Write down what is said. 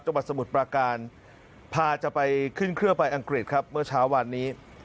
สมุทรปราการพาจะไปขึ้นเครื่องไปอังกฤษครับเมื่อเช้าวันนี้